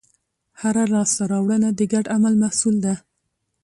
هره لاستهراوړنه د ګډ عمل محصول ده.